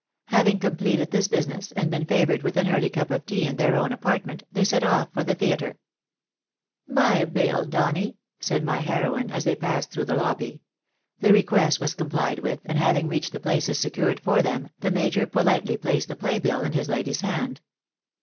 Having completed this business, and been favoured with an early cup of tea in their own apartment, they set off for the theatre. " Buy a biU, Donny," said my heroine, as they passed through the lobby. The request was comphed with, and having reached the places secured for them, the major politely placed the play bill in his lady's hand.